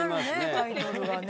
タイトルがね。